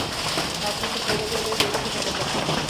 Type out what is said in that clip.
হাত হইতে সর্বজয়া লইবে-এইরূপই যেন চায়।